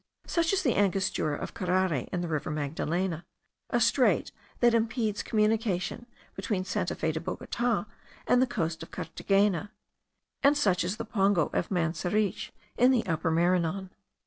Such is the angostura of Carare, in the river Magdalena, a strait that impedes communication between Santa Fe de Bogota and the coast of Carthagena; and such is the pongo of Manseriche, in the Upper Maranon.